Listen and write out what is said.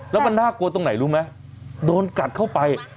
แล้วมันน่ากลัวตรงไหนรู้ไหมโดนกัดเข้าไป